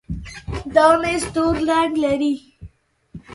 دا ميز تور رنګ لري.